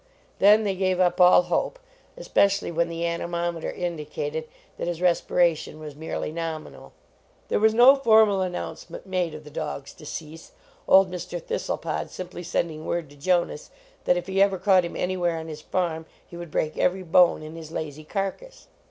Then they gave up all hope, especially when the anemometer indicated that his respira tion was merely nominal. There was no formal announcement made of the dog s decease, old Mr. Thistlepod simply sending word to Jonas that if he ever caught him anywhere on his farm he would break every bone in his lazy carcass.